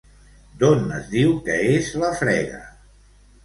D'on es diu que és la frega?